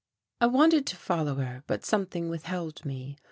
I wanted to follow her, but something withheld me.